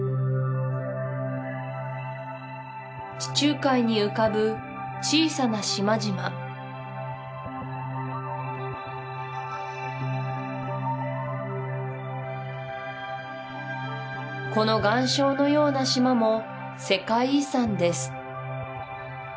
地中海に浮かぶ小さな島々この岩礁のような島も世界遺産です